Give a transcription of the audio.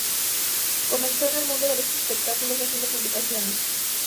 Comenzó en el mundo del espectáculos haciendo publicidades.